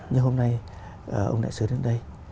và hôm nay ông đại sứ đến đây